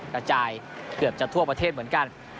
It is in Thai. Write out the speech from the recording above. กระจายเกือบจะทั่วประเทศเหมือนกัน